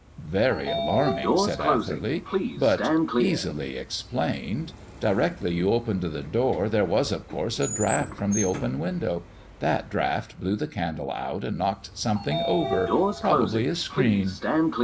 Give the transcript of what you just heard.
"Very alarming," said Atherley, "but easily explained. Directly you opened the door there was, of course, a draught from the open window. That draught blew the candle out and knocked something over, probably a screen."